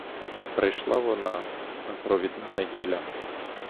Прийшла вона, та провідна неділя.